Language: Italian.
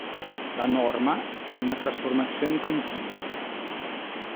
La norma è una trasformazione continua.